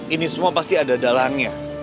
ini semua pasti ada dalangnya